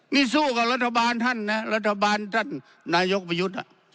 นี่สู้กับรัฐบาลท่านนะรัฐบาลท่านนายกประยุทธ์